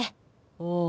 「ああ。